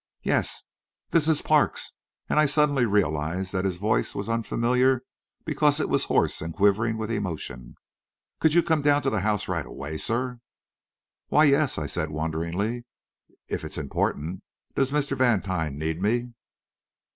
"Yes." "This is Parks," and I suddenly realised that his voice was unfamiliar because it was hoarse and quivering with emotion. "Could you come down to the house right away, sir?" "Why, yes," I said, wonderingly, "if it's important. Does Mr. Vantine need me?"